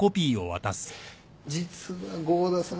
実は合田さん